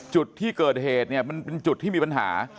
จุดที่เกิดเหตุเนี่ยมันเป็นจุดที่มีปัญหา